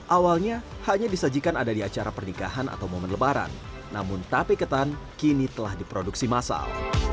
awalnya hanya disajikan ada di acara pernikahan atau momen lebaran namun tape ketan kini telah diproduksi masal